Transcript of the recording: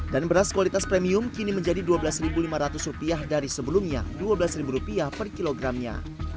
dan beras kualitas premium kini menjadi rp dua belas lima ratus dari sebelumnya rp dua belas per kilogramnya